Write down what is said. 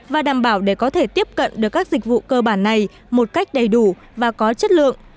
và đảm bảo để có thể tiếp cận được các dịch vụ cơ bản này một cách đầy đủ và có chất lượng